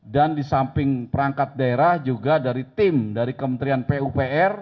dan di samping perangkat daerah juga dari tim dari kementerian pupr